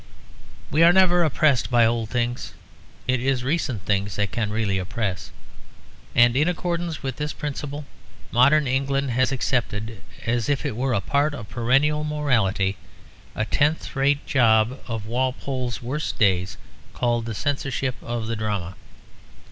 We are never oppressed by old things; it is recent things that can really oppress. And in accordance with this principle modern England has accepted, as if it were a part of perennial morality, a tenth rate job of Walpole's worst days called the Censorship of the Drama.